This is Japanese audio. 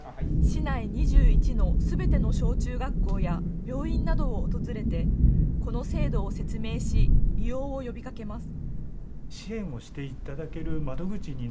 市内２１のすべての小中学校や病院などを訪れてこの制度を説明し利用を呼びかけます。